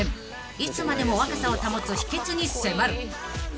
いつまでも若さを保つ秘訣に迫る］